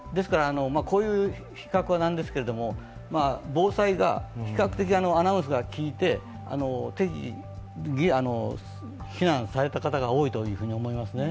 こういう比較は何ですけど、防災が比較的アナウンスがきいて適宜避難された方が多いと思いますね。